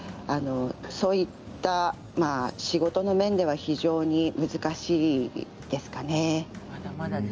そういった仕事の面ではまだまだですかね。